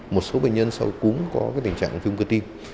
một số bệnh nhân sau cúm có tình trạng viêm cơ tim